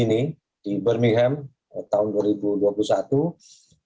dan kali ini di birmingham tahun dua ribu dua puluh satu